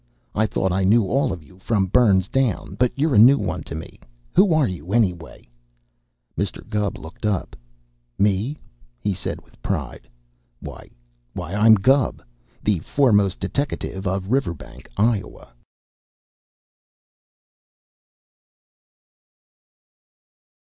I thought I knew all of you from Burns down, but you're a new one to me. Who are you, anyway?" Mr. Gubb looked up. "Me?" he said with pride. "Why why I'm Gubb, the foremost deteckative of Riverbank, Iowa."